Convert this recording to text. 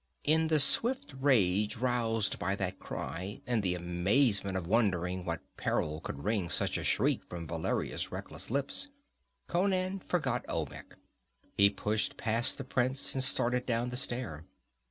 In the swift rage roused by that cry, and the amazement of wondering what peril could wring such a shriek from Valeria's reckless lips, Conan forgot Olmec. He pushed past the prince and started down the stair.